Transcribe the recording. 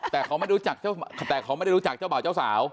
แต่เขาไม่รู้จักแต่เขาไม่ได้รู้จักเจ้าบ่าวเจ้าสาว